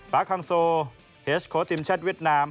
ปากฮังโซเพจโค้ดทีมแชทเวียดนาม